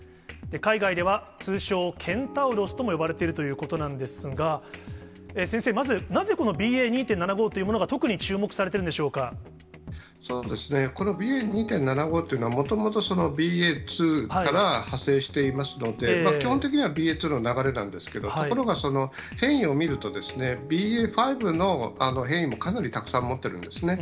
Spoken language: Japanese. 海外では通称、ケンタウロスとも呼ばれているということなんですが、先生、まず、なぜこのＢＡ．２．７５というものが特に注目されてるんでしょうそうですね、このＢＡ．２．７５というのは、もともとＢＡ．２から派生していますので、基本的にはＢＡ．２の流れなんですけれども、ところが変異を見ると、ＢＡ．５の変異もかなりたくさん持ってるんですね。